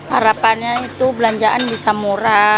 harapannya itu belanjaan bisa murah